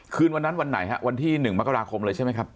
คืนวันนั้นวันไหนฮะวันที่๑มกราคมเลยใช่ไหมครับ